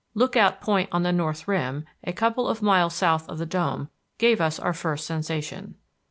Lookout Point on the north rim, a couple of miles south of the Dome, gave us our first sensation.